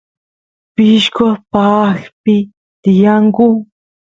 pishqos paaqpi tiyanku